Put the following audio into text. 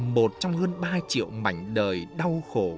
một trong hơn ba triệu mảnh đời đau khổ